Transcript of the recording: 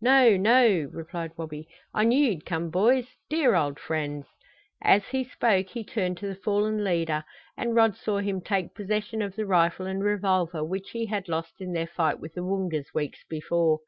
"No no!" replied Wabi. "I knew you'd come, boys dear old friends!" As he spoke he turned to the fallen leader and Rod saw him take possession of the rifle and revolver which he had lost in their fight with the Woongas weeks before.